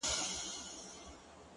• نه امید یې له قفسه د وتلو ,